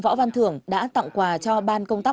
võ văn thưởng đã tặng quà cho ban công tác